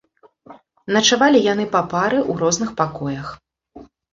Начавалі яны па пары ў розных пакоях.